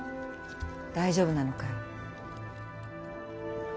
大丈夫なのかい？え？